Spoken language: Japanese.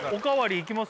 いきます！